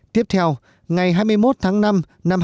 tiếp theo ngày hai mươi một tháng năm năm hai nghìn một mươi năm